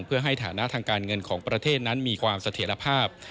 เพื่อให้ฐานะทางการเงินของประเทศนั้นมีความเสถียรภาพ